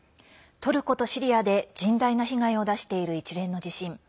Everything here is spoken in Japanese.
トルコとシリアで甚大な被害を出している一連の地震。